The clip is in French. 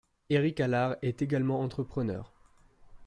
Éric Alard est également entrepreneur.